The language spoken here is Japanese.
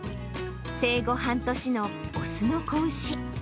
生後半年の雄の子牛。